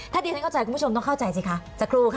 ถ้าดิฉันเข้าใจคุณผู้ชมต้องเข้าใจสิคะสักครู่ค่ะ